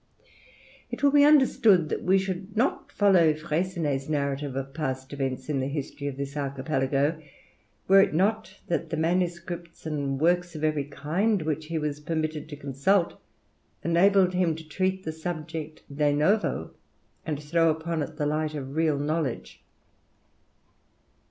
It will be understood that we should not follow Freycinet's narrative of past events in the history of this archipelago, were it not that the manuscripts and works of every kind which he was permitted to consult enabled him to treat the subject de novo, and throw upon it the light of real knowledge.